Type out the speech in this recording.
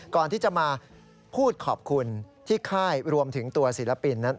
ก่อนที่จะมาพูดขอบคุณที่ค่ายรวมถึงตัวศิลปินนั้น